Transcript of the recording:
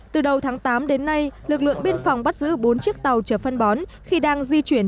từ đầu tháng tám đến nay lực lượng biên phòng bắt giữ bốn chiếc tàu chở phân bón khi đang di chuyển